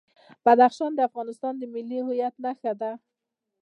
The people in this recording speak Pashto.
بدخشان د افغانستان د ملي هویت نښه ده.